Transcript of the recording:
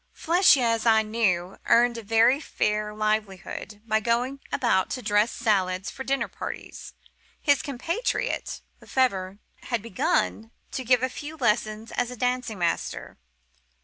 Flechier, as I knew, earned a very fair livelihood by going about to dress salads for dinner parties. His compatriot, Le Febvre, had begun to give a few lessons as a dancing master.